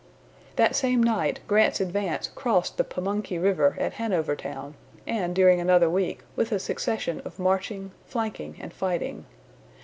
That same night, Grant's advance crossed the Pamunkey River at Hanover Town, and during another week, with a succession of marching, flanking, and fighting.